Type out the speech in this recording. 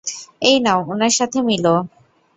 এই নাও উনার সাথে মিলো?